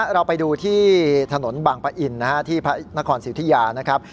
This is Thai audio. เราไปดูที่ถนนบางปะอินที่พระนครสิทธิยานะครับ